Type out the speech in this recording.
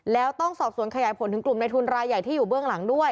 แล้วต้องสอบสวนขยายผลถึงกลุ่มในทุนรายใหญ่ที่อยู่เบื้องหลังด้วย